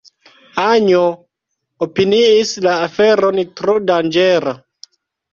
Anjo opiniis la aferon tro danĝera.